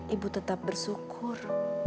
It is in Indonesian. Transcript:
ibu tetap bersyukur